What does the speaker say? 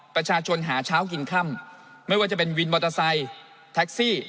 ประชาชนหาเช้ากินค่ำไม่ว่าจะเป็นวินมอเตอร์ไซค์แท็กซี่